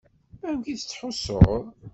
Amek i tettḥussuḍ?